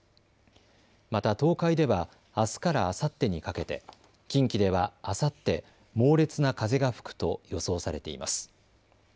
また東海ではあすからあさってにかけて、近畿ではあさって猛烈な風が吹くと予想されています。